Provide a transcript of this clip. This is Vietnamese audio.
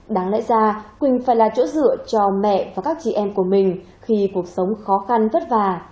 đáng lẽ ra quỳnh phải là chỗ dựa cho mẹ và các chị em của mình khi cuộc sống khó khăn vất vả